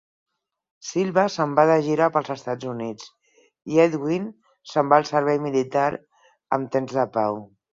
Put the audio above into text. Silva se'n va de gira pels Estats Units, i Edwin se'n va al servei militar en temps de pau.